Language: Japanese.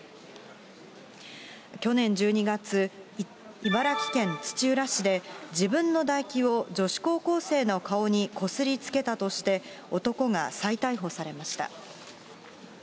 去年１２月、茨城県土浦市で、自分の唾液を女子高校生の顔にこすりつけたとして、男が再逮捕されました。